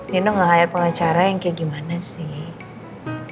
nino gak hire pengacara yang kayak gimana sih